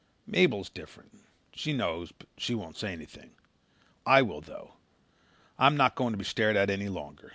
Mabel is different. She knows but she won't say anything. I will, though. I'm not going to be stared at any longer.